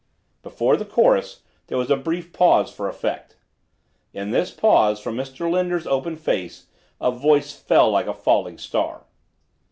Before the chorus there was a brief pause for effect. In this pause, from Mr. Linder's open face a voice fell like a falling star.